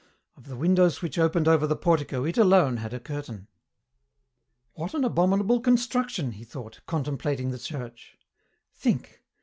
Of the windows which opened over the portico it alone had a curtain. "What an abominable construction," he thought, contemplating the church. "Think.